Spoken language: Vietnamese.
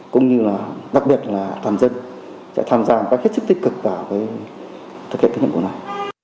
cũng như là đặc biệt là toàn dân sẽ tham gia một cách hết sức tích cực vào thực hiện cái nhiệm vụ này